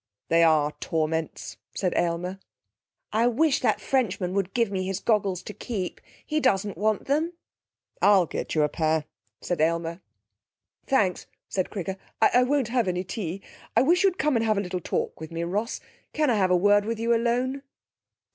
'They are torments,' said Aylmer. 'I wish that Frenchman would give me his goggles to keep! He doesn't want them.' 'I'll give you a pair,' said Aylmer. 'Thanks,' said Cricker,' I won't have any tea. I wish you'd come and have a little talk with me, Ross. Can I have a word with you alone?'